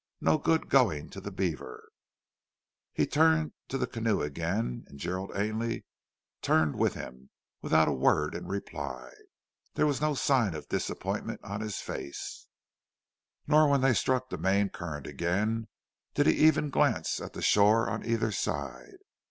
No good going to the beaver." He turned to the canoe again, and Gerald Ainley turned with him, without a word in reply. There was no sign of disappointment on his face, nor when they struck the main current again did he even glance at the shore on either side.